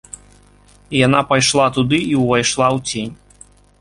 Яна пайшла туды і ўвайшла ў цень.